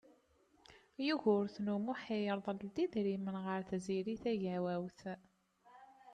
Yugurten U Muḥ irḍel-d idrimen ɣer Tiziri Tagawawt.